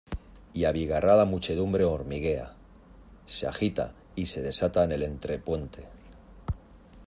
y abigarrada muchedumbre hormiguea, se agita y se desata en el entrepuente.